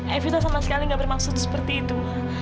eh vita sama sekali gak bermaksud seperti itu